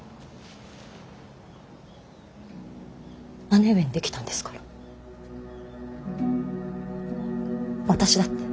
姉上にできたんですから私だって。